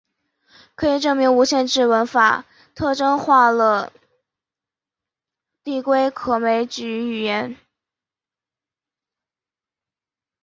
可以证明无限制文法特征化了递归可枚举语言。